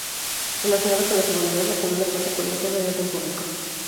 Relacionado con la seguridad la comuna cuenta con un Jefe de orden público.